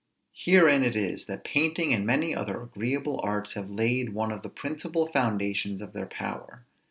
Herein it is that painting and many other agreeable arts have laid one of the principal foundations of their power.